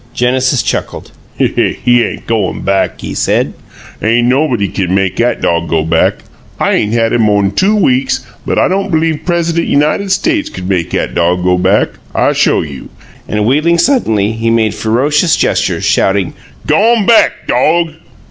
Genesis chuckled. "He ain' goin' back," he said. "'Ain' nobody kin make 'at dog go back. I 'ain' had him mo'n two weeks, but I don' b'lieve Pres'dent United States kin make 'at dog go back! I show you." And, wheeling suddenly, he made ferocious gestures, shouting. "G'on back, dog!"